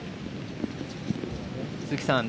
鈴木さん